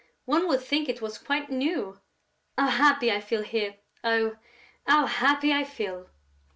One would think it was quite new!... How happy I feel here, oh, how happy I feel!"